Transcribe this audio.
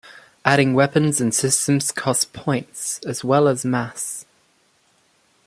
Adding weapons and systems costs points as well as mass.